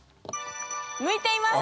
向いています！